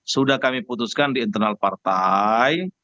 sudah kami putuskan di internal partai